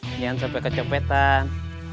jangan sampai kecopetan